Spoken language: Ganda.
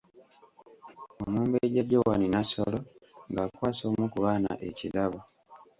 Omumbejja Joan Nassolo nga akwasa omu ku baana ekirabo.